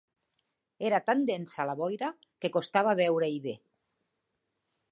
Era tan densa la boira que costava veure-hi bé.